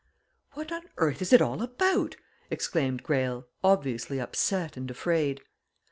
"What on earth is it all about?" exclaimed Greyle, obviously upset and afraid.